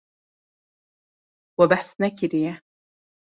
We behs nekiriye.